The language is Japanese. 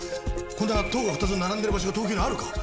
こんな塔が２つ並んでる場所が東京にあるか？